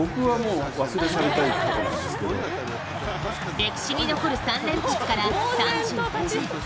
歴史に残る３連発から３８年。